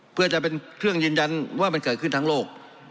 เพื่อจะเป็นเครื่องยืนยันว่ามันเกิดขึ้นทั้งโลก